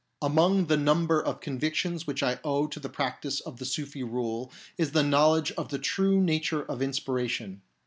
Among the number of convictions which I owe to the practice of the Sufi rule is the knowledge of the true nature of inspiration.